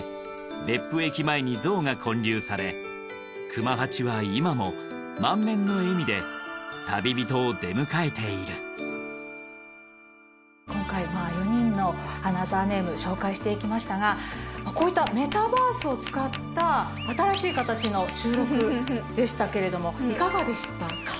別府駅前に像が建立され熊八は今も満面の笑みで旅人を出迎えている今回４人のアナザーネーム紹介していきましたがこういったメタバースを使った新しい形の収録でしたけれどもいかがでしたか？